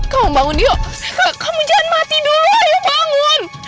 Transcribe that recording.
kamu bangun diego kamu jangan mati dulu ayo bangun